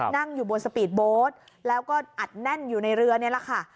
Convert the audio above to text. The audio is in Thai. นั่งอยู่บนสปีดโบสต์แล้วก็อัดแน่นอยู่ในเรือนี่แหละค่ะ